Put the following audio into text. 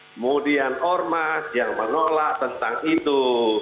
kemudian ormas yang menolak tentang itu